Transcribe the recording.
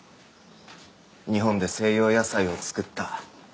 日本で西洋野菜を作った。